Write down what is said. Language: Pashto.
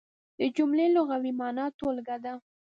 د جملې لغوي مانا ټولګه ده.